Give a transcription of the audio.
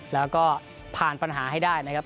แล้วก็ผ่านปัญหาให้ได้นะครับ